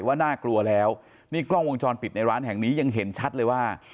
ว่าน่ากลัวแล้วนี่กล้องวงจรปิดในร้านแห่งนี้ยังเห็นชัดเลยว่า